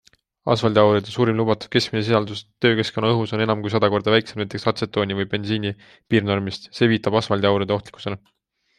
Asfaldiaurude suurim lubatud keskmine sisaldus töökeskkonna õhus on enam kui sada korda väiksem näiteks atsetooni või bensiini piirnormist - see viitab asfaldiaurude ohtlikkusele.